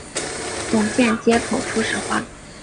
总线接口初始化